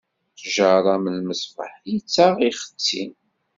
Ttjaṛa am lmesbeḥ, ittaɣ, ixetti.